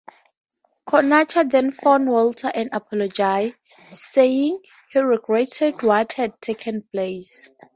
Conacher then phoned Walter and apologized, saying he regretted what had taken place.